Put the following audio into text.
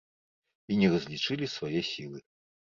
І не разлічылі свае сілы.